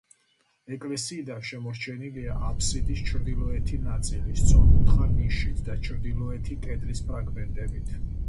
ეკლესიიდან შემორჩენილია აბსიდის ჩრდილოეთი ნაწილი სწორკუთხა ნიშით და ჩრდილოეთი კედლის ფრაგმენტებით.